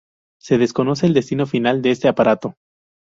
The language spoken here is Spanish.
Se desconoce el destino final de este aparato.